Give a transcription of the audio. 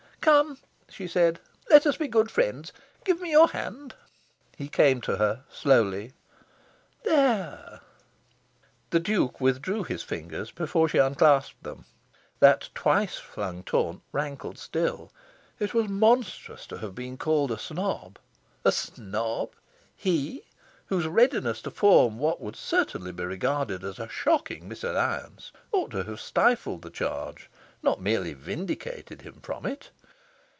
"Come!" she said. "Let us be good friends. Give me your hand!" He came to her, slowly. "There!" The Duke withdrew his fingers before she unclasped them. That twice flung taunt rankled still. It was monstrous to have been called a snob. A snob! he, whose readiness to form what would certainly be regarded as a shocking misalliance ought to have stifled the charge, not merely vindicated him from it!